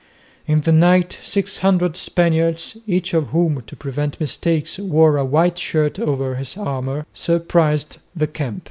In the night six hundred Spaniards, each of whom to prevent mistakes wore a white shirt over his armour, surprised the camp.